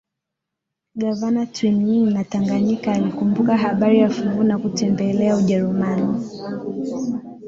Gavana Twining wa Tanganyika alikumbuka habari za fuvu na kutembelea Ujerumani